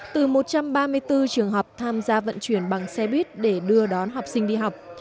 từ một trăm ba mươi bốn trường học tham gia vận chuyển bằng xe buýt để đưa đón học sinh đi học